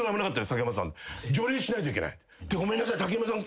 竹山さん」「ごめんなさい竹山さん。